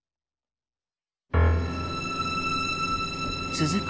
続く